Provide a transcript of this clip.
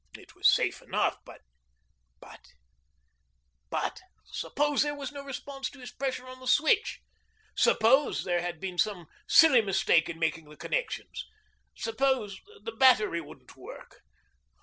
It was safe enough, but but but suppose there was no response to his pressure on the switch; suppose there had been some silly mistake in making the connections; suppose the battery wouldn't work.